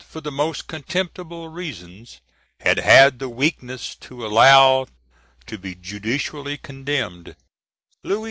for the most contemptible reasons, had had the weakness to allow to be judicially condemned Louis XI.